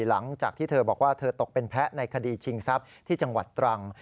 หลังจากที่เธอบอกว่าเธอตกเป็นแพ้ในคดีชิงทรัพย์ที่จังหวัดตรัง